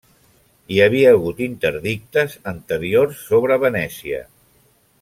Hi havia hagut interdictes anteriors sobre Venècia.